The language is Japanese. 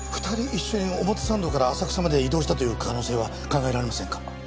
２人一緒に表参道から浅草まで移動したという可能性は考えられませんか？